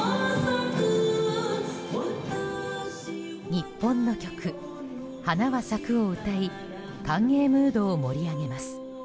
日本の曲「花は咲く」を歌い歓迎ムードを盛り上げます。